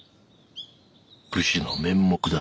武士の面目だ。